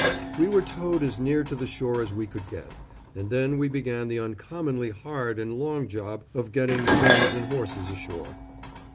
We were towed as near to the shore as we could get, and then we began the uncommonly hard and long job of getting the guns and horses ashore.